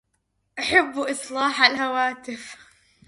أحبُ إصلاحَ الهواتف.